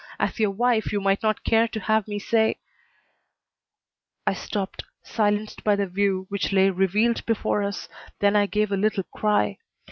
As your wife you might not care to have me say " I stopped, silenced by the view which lay revealed before us, then I gave a little cry.